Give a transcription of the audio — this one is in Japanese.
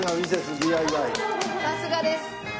さすがです。